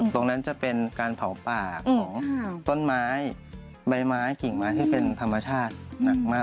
ตรงนั้นจะเป็นการเผาปากของต้นไม้ใบไม้กิ่งไม้ที่เป็นธรรมชาติหนักมาก